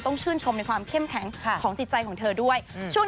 ชื่นชมในความเข้มแข็งของจิตใจของเธอด้วย